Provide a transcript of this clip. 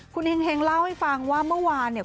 คุณเฮงเล่าให้ฟังว่าเมื่อวานเนี่ย